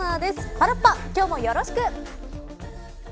パラッパ、今日もよろしく。